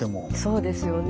そうですよね。